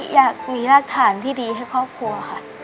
อยากมีรากฐานที่ดีให้ครอบครัวค่ะ